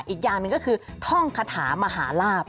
อีกอย่างหนึ่งก็คือท่องคาถามหาลาบ